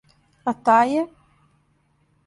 А тај је?